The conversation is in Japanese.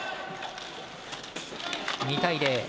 ２対０。